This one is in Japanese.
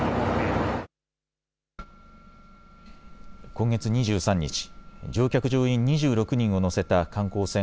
今月２３日、乗客・乗員２６人を乗せた観光船